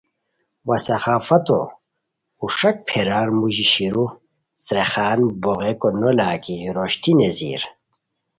وا ثقافتو اوݰاک پھیران موژی شیرو څریخان بوغئیکو نو لاکی روشتی نیزیر